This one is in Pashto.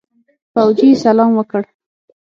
فوجي سلام وکړ.